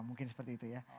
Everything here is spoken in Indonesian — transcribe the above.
mungkin seperti itu ya